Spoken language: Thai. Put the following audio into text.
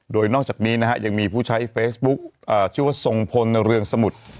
โดยนอกจากนี้นะฮะยังมีผู้ใช้เฟซบุ๊คชื่อว่าทรงพลเรืองสมุทร